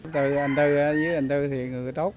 từ anh tư anh tư là người tốt